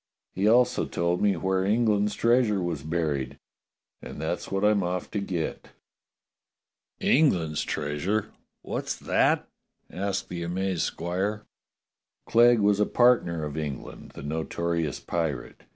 He DOCTOR SYN HAS A 'XALL" 229 also told me where England's treasure was buried, and that's what I'm off to get." "England's treasure? What's that?" asked the amazed squire. "Clegg was a partner of England, the notorious pi rate.